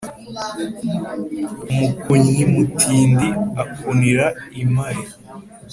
Umukunnyi mutindi akunira impare.